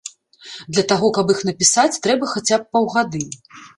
Для таго, каб іх напісаць, трэба хаця б паўгады.